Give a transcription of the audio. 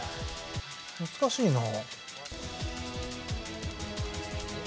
難しいな。